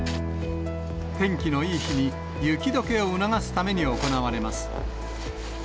天気のいい日に雪どけを促すために行われます。